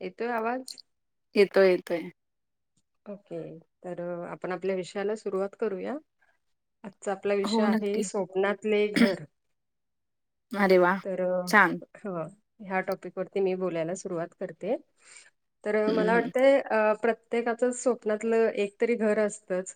येतोय आवाज. येतोय येतोय. ओके तर आपण आपल्या विषयाला सुरुवात करूया. आजचा आपला विषय हो आहे नक्की. स्वप्नातले घर. अरे वा तर छान. ह ह्या टॉपिक वरती मी बोलायला सुरुवात करते तर हं, मला हं. वाटतंय. अ प्रत्येकाचंच स्वप्नातलं एकतरी घर असतच.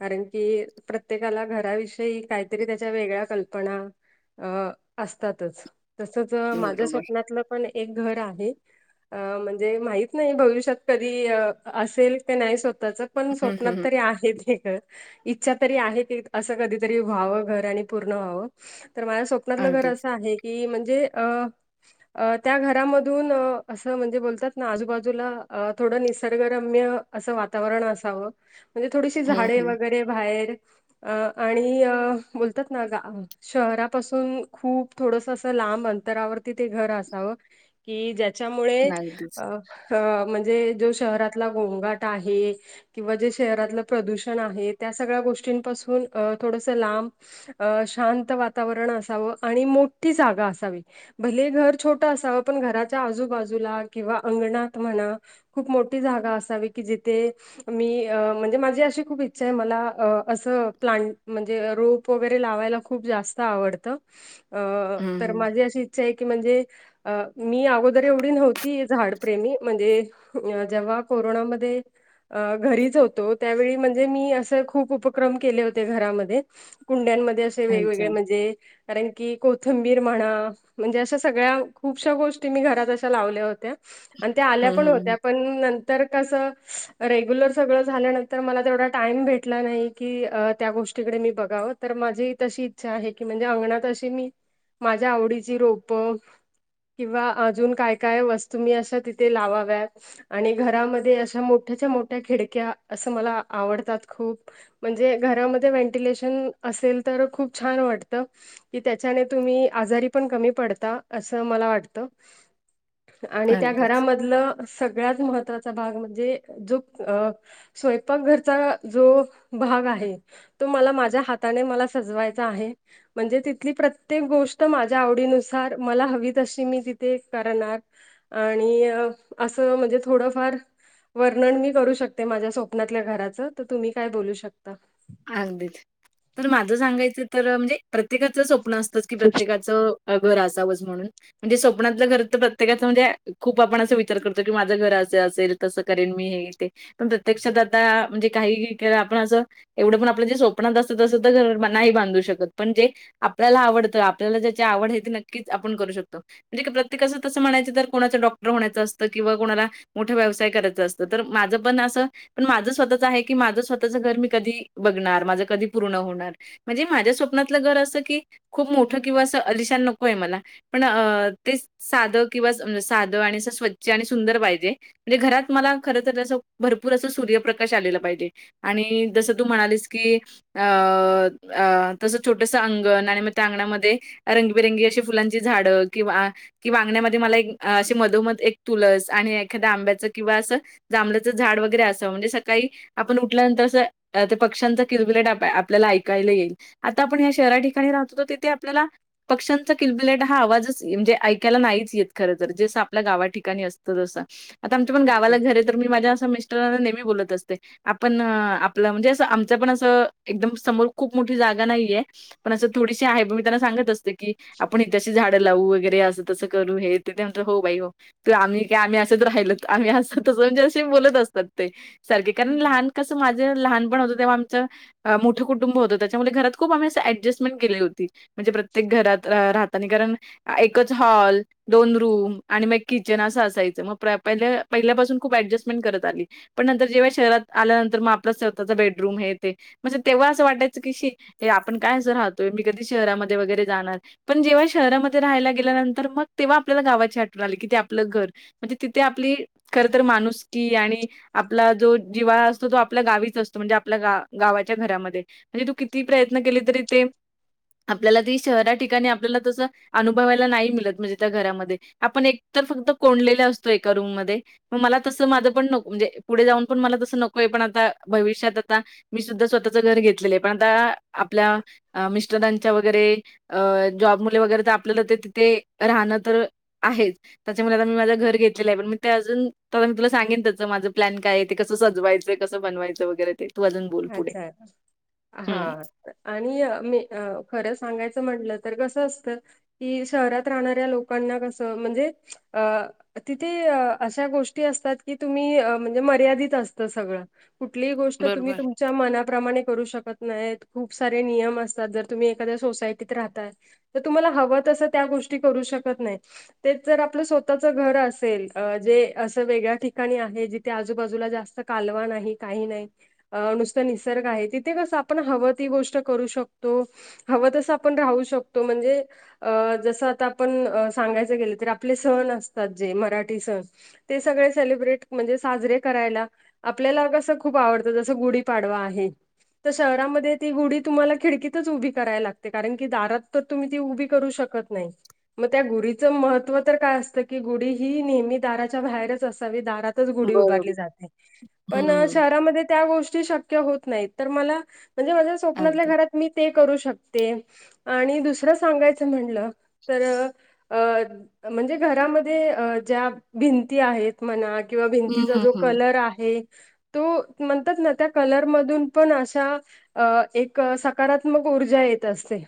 कारण की प्रत्येकाला घराविषयी काहीतरी त्याच्या वेगळ्या कल्पना. अ असतातच तसच माझ्या बरोबर. स्वप्नातलं. पण एक घर आहे म्हणजे माहित नाही भविष्यात कधी असेल. नाही स्वतःच पण हं, स्वप्नात हं, हं. तरी आहे हे घर. इच्छा तरी आहे की असं कधीतरी व्हावं घर आणि पूर्ण व्हावं तर स्वप्नातलं घर अगदीच. असं आहे की म्हणजे अ. अ त्या घरामधून असं म्हणजे बोलतात ना आजूबाजूला थोडं निसर्गरम्य. असं वातावरण असावं म्हणजे थोडीशी हं, झाडे हं. वगैरे बाहेर. अ आणि बोलतात ना गा. शहरापासून खूप थोडस अस लांब अंतरावरती ते घर असावं. कि ज्याच्यामुळे अ अगदीच. म्हणजे जो शहरातला गोंगाट आहे. किंवा जे शहरातलं प्रदूषण आहे त्या सगळ्या गोष्टींपासून अ थोडस लांब. अ शांत वातावरण असावं आणि मोठी जागा असावी. भलेही घर छोटं असावं, पण घराच्या आजूबाजूला किंवा अंगणात म्हणा खूप मोठी जागा असावी, की जिथे मी अ म्हणजे माझी अशी खूप इच्छा आहे मला अ असं अ प्लांट म्हणजे रोप वगैरे लावायला खूप जास्त आवडतं. अ हं, तर हं. माझी अशी इच्छा आहे की म्हणजे अ मी अगोदर एवढी नव्हती झाड प्रेमी म्हणजे अ जेव्हा कोरोनामध्ये ते अ घरीच होतो त्यावेळी म्हणजे मी असे खूप उपक्रम केले होते घरामध्ये. कुंड्यांमध्ये असे अच्छा. वेगवेगळे म्हणजे, कारण की कोथंबीर म्हणा म्हणजे अशा सगळ्या खूपश्या गोष्टी मी घरात अशा लावल्या होत्या. आणि त्या हं, आल्या पण हं, हं. होत्या, पण नंतर कसं रेग्युलर सगळ झाल्यानंतर मला तेवढा टाईम भेटला नाही की, अ त्या गोष्टीकडे मी बघावं. तर माझी तशी इच्छा आहे, की म्हणजे अंगणात अशी मी माझ्या आवडीची रोप किंवा अजून काय काय वस्तू मी अशा तिथे लावाव्या आणि घरामध्ये अशा अशा मोठ्याच्या मोठ्या खिडक्या असं मला आवडतात खूप. म्हणजे घरामध्ये व्हेंटिलेशन असेल, तर खूप छान वाटतं. कि त्याच्याने तुम्ही आजारी पण कमी पडता असं मला वाटतं. आणि त्या अगदीच. घरामधलं सगळ्यात महत्त्वाचा भाग म्हणजे जो अ स्वयंपाकघरचा जो भाग आहे तो मला माझ्या हाताने मला सजवायचा आहे. म्हणजे तिथली प्रत्येक गोष्ट माझ्या आवडीनुसार मला हवी तशी मी तिथे करणार. आणि असं म्हणजे थोडंफार वर्णन मी करू शकते माझ्या स्वप्नातल्या घराचं, तर तुम्ही काय बोलू शकता. अगदीच. तर माझ सांगायचं तर म्हणजे प्रत्येकाचं स्वप्न असतं की प्रत्येकाचं घर असावंच म्हणून म्हणजे स्वप्नातलं घर तर प्रत्येकाचं म्हणजे खूप आपण असं विचार करतो, की माझं घर असं असेल. तसं करेन मी हे ते पण प्रत्यक्षात आता म्हणजे काही केलं आपण असं एवढं पण आपलं जे स्वप्नात असतं तसं तर घर नाही बांधू शकत. पण जे आपल्याला आवडतं. आपल्याला ज्याची आवड आहे ती नक्कीच आपण करू शकतो. म्हणजे प्रत्येकाचं तस म्हणायचं तर कोणा डॉक्टर होण्याचं असतं किंवा कोणाला मोठा व्यवसाय करायचं असतं. तर माझं पण असं पण माझं स्वतःच आहे की माझं स्वतःच घर मी कधी बघणार माझं कधी पूर्ण होणार म्हणजे माझ्या स्वप्नातलं घर असं की खूप मोठं किंवा असं अलिशान नको आहे मला. पण अ ते साधं किंवा साधं आणि स्वच्छ आणि सुंदर पाहिजे. म्हणजे घरात मला खरतर असं भरपूर असं सूर्यप्रकाश आलेला पाहिजे आणि जसं तू म्हणालीस की अ अं तसं छोटस अंगण आणि मग त्या अंगणामध्ये रंगबेरंगी अशी फुलांची झाडं किंवा कि अंगण्यामध्ये मला एक असे मधोमध एक तुलस आणि एखाद्या आंब्याच किंवा असं जांभल्याचं झाड वगैरे असावं म्हणजे सकाळी आपण उठल्यानंतर असं अं ते पक्ष्यांचं किलबिलाट आपल्याला ऐकायला येईल. आता आपण या शहरा ठिकाणी राहतो तर तिथे आपल्याला पक्ष्यांचा किलबिलाट हा आवाजच म्हणजे ऐकायला नाहीच येत खर तर, जेसं आपल्या गावाठिकाणी असतं. तो असं आता आमच्या पण गावाला अगदीच. घर आहे, तर मी माझ्या मिस्टर नेहमी बोलत असते. आपण म्हणजे असं आमचं पण अस एकदम समोर खूप मोठी जागा नाही. हाय, पण असं थोडीशी आहे पण मी त्यांना सांगत असते की आपण हित अशी झाडं लावू वगैरे असं तसं करू हे ते म्हणतात हो बाई हो. तर आम्ही काय आम्ही असतं राहिलो आम्ही हसतच म्हणजे अशी बोलत असतो. [unintelligible] सारखी कारण लहान कसं माझं जे लहानपण होत तेव्हा आमचं अ मोठं कुटुंब होतं त्याच्यामुळे घरात खूप आम्ही असं ऍडजस्टमेंट केली होती. म्हणजे प्रत्येक घरात राहतं आणि कारण एकच हॉल दोन रूम आणि मग किचन असं असायचं. मग पहि-पहिल्यापासून खूप ऍडजस्टमेंट करत आली. पण नंतर जेव्हा शहरात आल्यानंतर, मग आपला स्वतःचा बेडरूम हे ते म्हणजे तेव्हा असं वाटायचं की शी हे आपण काय असं राहतोय, मी कधी शहरामध्ये वगैरे जाणार. पण जेव्हा शहरामध्ये राहायला गेल्यानंतर, मग तेव्हा आपल्याला गावाची आठवण आली की ते आपलं घर. म्हणजे तिथे आपली खर तर माणुसकी आणि आपला जो जिव्हाळा असतो तो आप आपल्या गावीच असतो म्हणजे आपल्या गा-गावाच्या घरामध्ये. म्हणजे तू किती प्रयत्न केले तरी ते आपल्याला ती शहरा ठिकाणी आपल्याला तसं अनुभवायला नाही मिळत म्हणजे त्या घरामध्ये. आपण एक तर फक्त कोंडलेल असतो एका रूममध्ये. मग मला तसं माझ पण नको म्हणजे पुढे जाऊन पण मला तसं नकोय. पण आ आता भविष्यात आता मी सुद्धा स्वतःच घर घेतलेलं आहे. पण आता आपल्या अं मिस्टरांच्या वगैरे अ जॉब मुले वगैरे तर आपल्याला ते तिथे राहणं तर आहेच. त्याच्यामुळे आता मी माझं घर घेतलेलं आहे, पण मी ते अजून मी तुला सांगन त्याचं माझ प्लॅन काय आहे ते कसं सजवायचं. कस बनवायचं वगैरे ते तू अजून बोल पुढे. अच्छा हा हम्म. आणि मी अ खरं सांगायचं म्हटलं तर कसं असतं. कि शहरात राहणाऱ्या लोकांना कसं म्हणजे अ तिथे अशा गोष्टी असतात, की तुम्ही अ म्हणजे मर्यादित असतं सगळं. कुठलीही गोष्ट तुम्ही बरोबर. च्या मनाप्रमाणे करू शकत नाहीत. खूप सारे नियम असतात, जर तुम्ही एखाद्या सोसायटीत राहताय. तर तुम्हाला हवं तसं त्या गोष्टी करू शकत नाही. तेच जर आपलं स्वतःच घर असेल अ जे असं वेगळ्या ठिकाणी आहे. जिथे आजूबाजूला जास्त कालवा नाही, काही नाही. अ नुसतं निसर्ग आहे. तिथे कसं आपण हवं ती गोष्ट करू शकतो. हवं तसं आपण राहू शकतो. म्हणजे अ जसं आता आपण सांगायचं गेलं, तर आपले सण असतात जे मराठी सण. ते सगळे सेलिब्रेट म्हणजे साजरे करायला आपल्याला कसं खूप आवडत की जसं गुढी पाडवा आहे. तर शहरामध्ये ती गुढी तुम्हाला खिडकीतच उभी करायला लागते, कारण की दारात तर तुम्ही ती उभी करू शकत नाही. मग त्या गुढीचं महत्व तर काय असतं, की गुढी ही नेहमी दाराच्या बाहेरच असावी. दारात तिथंच गुढी बरोबर. उभारली जाते, पण हं. शहरांमध्ये त्या गोष्टी शक्य होत नाही. तर मला म्हणजे माझ्या स्वप्नातल्या अगदी. घरात मी ते करू शकते. आणि दुसरं सांगायचं म्हणलं तर अ म्हणजे घरामध्ये अ ज्या भिंती आहेत. म्हणा किंवा हं, भिंतीचा हं, जो हं. कलर आहे तो म्हणतात ना त्या कलरमधून पण अशा अ एक सकारात्मक ऊर्जा येत असते.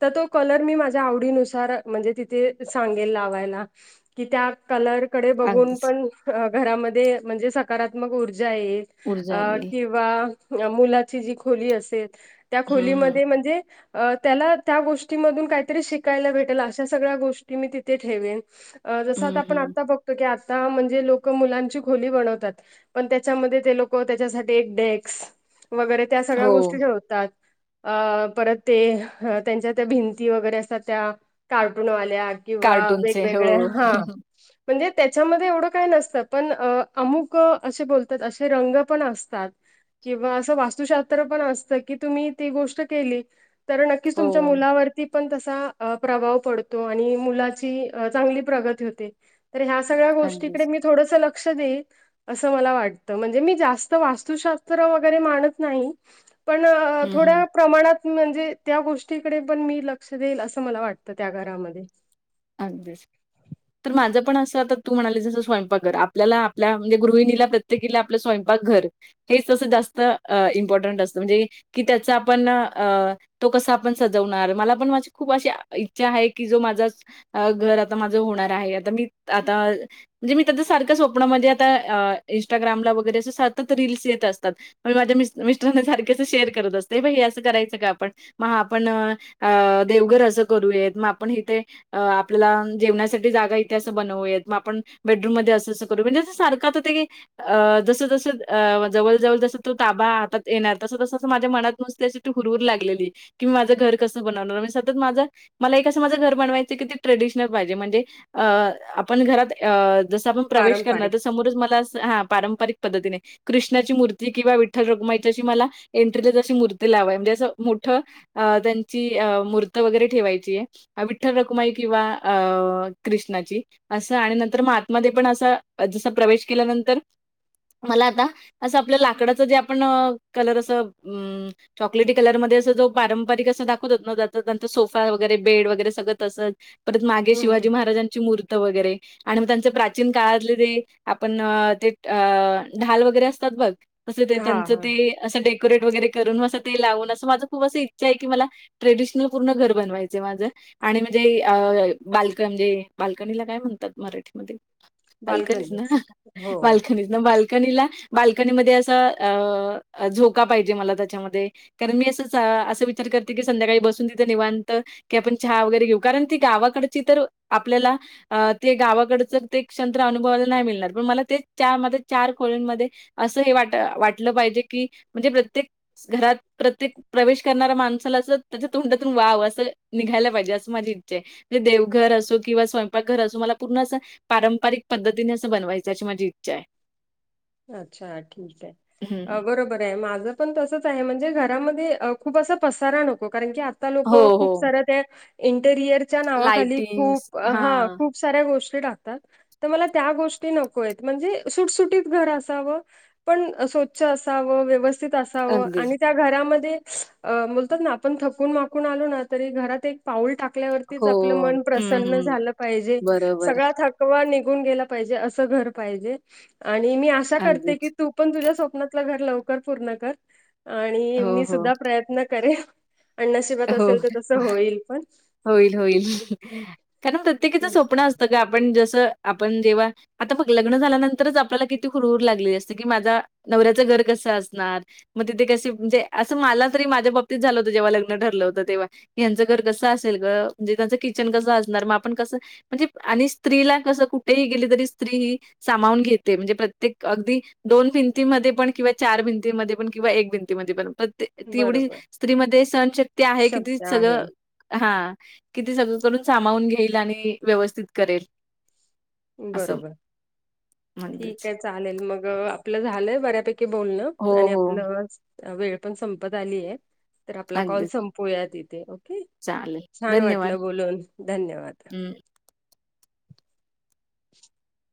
तर तो कलर मी माझ्या आवडीनुसार म्हणजे तिथे सांगेल लावायला. कि त्या कलरकडे बघून अगदीच पण घरामध्ये म्हणजे सकारात्मक ऊर्जा येईल. ऊर्जा अ येईल. किंवा मुलाची जी खोली असेल, त्या हं, खोलीमध्ये म्हणजे अं त्याला त्या गोष्टीमधून काहीतरी शिकायला भेटेल अशा सगळ्या गोष्टी मी तिथे ठेवेन. जसं आता हं, आपण हं. आता बघ तो की आता म्हणजे लोक मुलांची खोली बनवतात. पण त्याच्यामध्ये ते लोक मग त्याच्यासाठी एक डेस्क वगैरे त्या सगळ्या हो, गोष्टी ठेवतात. अ परत ते त्यांच्या त्या भिंती वगैरे असतात त्या कार्टूनवाल्या. किंवा कार्टूनचे. हो. वेगवेगळ्या हा. म्हणजे त्याच्यामध्ये एवढं काही नसतं, पण अ अमुक असे बोलतात. असे रंग पण असतात किंवा असं वास्तुशास्त्र पण असत की तुम्ही ती गोष्ट केली तर नक्कीच हो, तुमच्या मुलावरती पण तसा अ प्रभाव पडतो आणि मुलाची अ चांगली प्रगती होते. तर ह्या सगळ्या गोष्टीकडे अगदीच. मी थोडस लक्ष देईल असं मला वाटतं. म्हणजे मी जास्त तर वास्तुशास्त्र वगैरे मानत नाही, पण हं, थोडं हं. प्रमाणात म्हणजे त्या गोष्टीकडे पण मी लक्ष देईल असं मला वाटतं त्या घरामध्ये. अगदीच. तर माझं पण असं आता तू म्हणाले जसं स्वयंपाकघर आपल्याला आपल्या म्हणजे गृहिणीला प्रत [unintelligible] आपलं स्वयंपाक घर हेच तसं जास्त इम्पॉर्टंट असतं. म्हणजे की त्याचा आपण अ तो कसा आपण सजवणार. मला पण माझी खूप अशी इच्छा आहे की, जो माझाच अ घर आता माझं होणार आहे. आता मी आता म्हणजे मी त्याच्या सारखं स्वप्नं म्हणजे आता अ इन्स्टाग्रामला वगैरे असे सतत रील्स येत असतात. पण माझ्या मि-मिस्टरांना सारखे असं शेअर करत असते. हे बघ हे असं करायचं का आपण? मग हा आपण अ देवघर असं करूयेत, मग आपण इथे अ आपल्याला जेवण्यासाठी जागा इथं असं बनवूयात. मग आपण बेडरूममध्ये असं असं करू. म्हणजे सारख आता ते अ जस जसं अ जवळ जवळ जसं तो ताबा हातात येणार, तसं तस माझ्या मनात नुसते अशी हुरहुर लागलेली, की मी माझं घर कसं बनवणार. म्हणजे सतत माझं मला कसं माझं घर बनवाय ते किती ट्रेडिशनल पाहिजे. म्हणजे अ आपण घरात अ जसं आपण पार प्रवेश करणार, तर समोरच मला हा पारंपरिक पद्धतीने कृष्णाची मूर्ती किंवा विठ्ठल रखुमाईची अशी मला एन्ट्रीलाच अशी मूर्ती लावाय म्हणजे असं मोठं अ त्यांची अ मूर्त वगैरे ठेवायची आहे. विठ्ठल रुक कुमाई किंवा अ कृष्णाची. असं आणि नंतर मग आतमध्ये पण असा जसा प्रवेश केल्यानंतर मला आता असं आपल्या लाकडाचं जे आपण कलर असं अं चॉकलेटी कलरमध्ये असं जो पारंपरिक असं दाखवत ना त्यांंचा सोफा वगैरे बेड वगैरे सगळं तसंच, परत मागे हम्म शिवाजी हम्म. महाराजांची मूर्त वगैरे. आणि मग त्यांचे प्राचीन काळातले जे आपण अ ते अ ढाल वगैरे असतात बघ तसं ते हा त्यांच हा ते असं डेकोरेट वगैरे करून, असं ते लावून असं माझ खूप असं इच्छा आहे की मला ट्रेडिशनल पूर्ण घर बनवायच आहे माझं. आणि म्हणजे अ बाल्कन ते म्हणजे बाल्कनीला काय म्हणतात मराठीमध्ये? बाल्कनीच ना बाल्कनी बाल्कनीला बाल्कनीमध्ये असं अ झोका पाहिजे मला त्याच्यामध्ये. कारण मी असच असं विचार करते की संध्याकाळी बसून तिथे निवांत की आपण छुहा वगैरे घेऊ, कारण ती गावाकडची तर आपल्याला अ ते गावाकडच ते क्षण अनुभवाला नाही मिळणार. पण मला ते चार माझ चार खोल्यांमध्ये असं हे वाट वाटलं पाहिजे. की म्हणजे प्रत्येक घरात, प्रत्येक प्रवेश करणाऱ्या माणसाला असं त्याच्या तोंडातून वाव असं निघायला पाहिजे, असं माझी इच्छा आहे. म्हणजे देवघर असो किंवा स्वयंपाकघर असो मला पूर्ण असं पारंपरिक पद्धतीने असं बनवायचं अशी माझी इच्छा आहे. अच्छा ठीक आहे हं. बरोबर आहे. माझं पण तसंच आहे म्हणजे घरामध्ये अ खूप असा पसारा नको. कारण की आता लोक हो, खूप हो. सरळ ते त्या इंटेरियरच्या नावाखाली लाइटिंग्स खूप हा हां. खूप साऱ्या गोष्टी टाकतात, तर मला त्या गोष्टी नको आहेत. म्हणजे सुटसुटीत घर असावं. पण स्वच्छ असावं, ‌व्यवस्थित असावं अगदीच. आणि त्या घरामध्ये अ बोलतात ना, आपण थकून माकून आलो ना तरी घरात एक पाऊल टाकल्यावरतीच हो. आपलं मन हं, प्रसन्न हं. झालं पाहिजे. बरोबर. सगळा थक कवा निघून गेला पाहिजे असं घर पाहिजे. आणि मी आशा करते की अगदीच. तू पण तुझ्या स्वप्नातलं घर लवकर पूर्ण कर आणि हो, मी हो. सुद्धा प्रयत्न करेन. आणि नशिबात असेल तर हो. तसं होईल पण. होईल होईल, कारण प्रत्येकाच स्वप्न असतं ग आपण जसं आपण जेव्हा आता बघ लग्न झाल्यानंतरच आपल्याला किती हुरहर लागलेली असते, ‌ की माझा नवऱ्याचं घर कसं असणार? मग तिथे कशी म्हणजे असं मला तरी माझ्या बाबतीत झालं होतं जेव्हा लग्न ठरलं हो तेव्हाचं यांचं घर कसं असेल ग म्हणजे त्यांचं किचन कसं असणार मग आपण कसं म्हणजे, आणि स्त्रीला कसं कुठेही गेली? तरी स्त्री ही सामावून घेते म्हणजे, प्रत्येक अगदी दोन भिंतीमध्ये पण किंवा चार भिंतीमध्ये पण किंवा एक भिंती स्त्री मध्ये पण, तेवढी बरोबर स्त्री मध्ये सहनशक्ती आहे किती शब्द आहे सगळं हा कि ते सगळं करून सामावून घेईल आणि व्यवस्थित करेल. असं. बरोबर ठीक अगदीच. आहे चालेल, मग आपलं झालंय बऱ्यापैक बोलण हो, आणि आपल हो. वेळ पण संपत आलीये, तर आपला कॉल अगदीच. संप पोया तीथे ओके, चालेल. छान धन्यवाद. वाटलं बोलून धन्यवाद. हं. [inaudible]